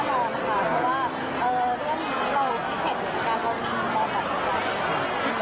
เรามีการตัดสินใจร่วมกันของคุณค่ะ